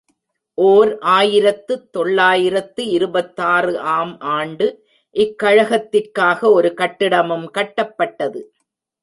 ஓர் ஆயிரத்து தொள்ளாயிரத்து இருபத்தாறு ஆம் ஆண்டு இக்கழகத்திற்காக ஒரு கட்டிடமும் கட்டப்பட்டது.